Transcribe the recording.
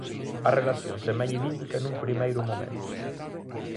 A relación semella idílica nun primeiro momento.